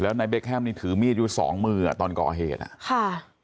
นายเบคแฮมนี่ถือมีดอยู่สองมืออ่ะตอนก่อเหตุอ่ะค่ะ